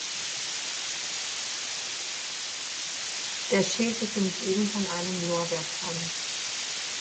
Der Schild ist umgeben von einem Lorbeerkranz.